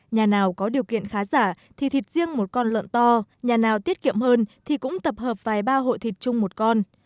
nhà nào có điều kiện khá giả thì thịt riêng một con lợn to nhà nào tiết kiệm hơn thì cũng tập hợp vài ba hội thịt chung một con